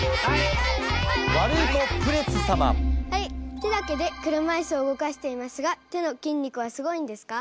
手だけで車いすを動かしていますが手の筋肉はすごいんですか？